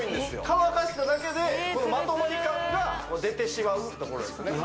乾かしただけでまとまり感が出てしまうってところですね